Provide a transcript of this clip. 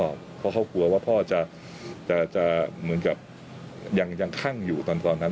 เพราะเขากลัวว่าพ่อจะเหมือนกับยังคั่งอยู่ตอนนั้น